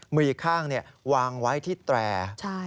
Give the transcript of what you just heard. มืออีกข้างวางไว้ที่แตร